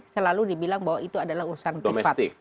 selalu dibilang bahwa itu adalah urusan privat